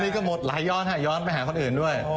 นี่ก็หมดหลายย้อนค่ะย้อนไปหาคนอื่นด้วย